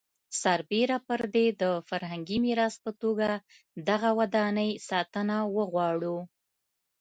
سربېره پر دې د فرهنګي میراث په توګه دغه ودانۍ ساتنه وغواړو.